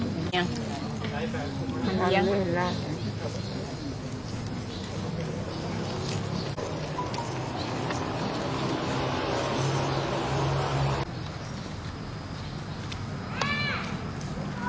จ้าวร้านมีอะไรอ่าวมีอะไร